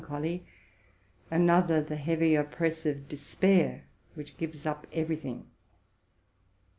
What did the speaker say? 165 choly, another the heavy, oppressive despair, which gives up every thing.